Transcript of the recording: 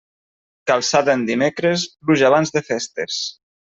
Calçada en dimecres, pluja abans de festes.